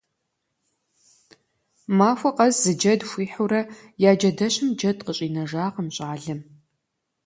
Махуэ къэс зы джэд хуихьурэ, я джэдэщым джэд къыщӏинэжакъым щӏалэм.